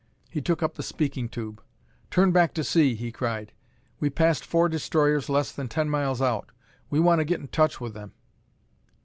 He took up the speaking tube. "Turn back to sea!" he cried. "We passed four destroyers less than ten miles out. We want to get in touch with them."